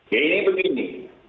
ya ini begini